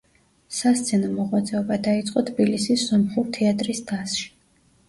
სასცენო მოღვაწეობა დაიწყო თბილისის სომხურ თეატრის დასში.